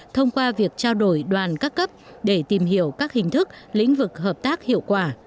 thông qua việc trao đổi đoàn các cấp để tìm hiểu các hình thức lĩnh vực hợp tác hiệu quả